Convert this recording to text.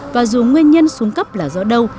và dù nguyên nhân xuống cấp là do đâu